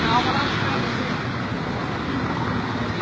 ห้าทำไม